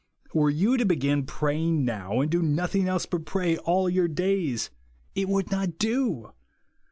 Were you to begin praying now, and do nothing else but pray all your days, it would not do